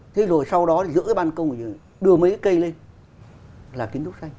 thế rồi sau đó giữa cái ban công đưa mấy cái cây lên là kiến trúc xanh